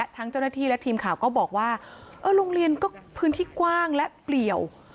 ทั้งเจ้าหน้าที่และทีมข่าวก็บอกว่าเออโรงเรียนก็พื้นที่กว้างและเปลี่ยว